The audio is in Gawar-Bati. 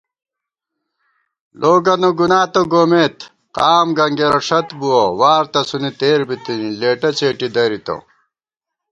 لوگَنہ گُنا تہ گومېت، قام گنگېرہ ݭت بُوَہ * وار تسُونی تېر بِتِنی ، لېٹہ څېٹی دَرِتہ